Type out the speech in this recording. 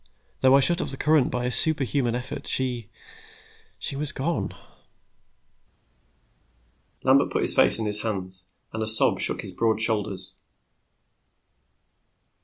Though I shut off the current by a superhuman effort, she she was gone!" Lambert put his face in his hands, a sob shook his broad shoulders.